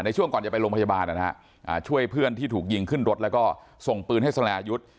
ช่วงก่อนจะไปโรงพยาบาลนะฮะช่วยเพื่อนที่ถูกยิงขึ้นรถแล้วก็ส่งปืนให้สรายุทธ์